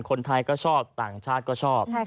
คนไทยก็ชอบต่างชาติก็ชอบ